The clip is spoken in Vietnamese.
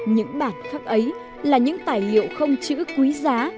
những bản khắc ấy là những tài liệu không chữ quý giá